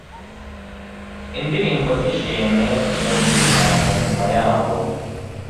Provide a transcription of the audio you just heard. Indirimbo z'ishimwe zumvikanaga ku minwa yabo